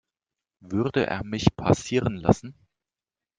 Würde er mich passieren lassen?